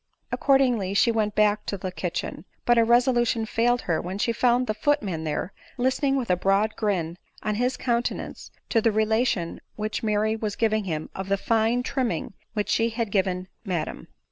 Accordingly she went back into the kitchen; but her resolution failed her when she found the footman there, listening with a broad grin on his countenance to the re lation which Mary was giving him of the " fine trimming" which she had given " madam."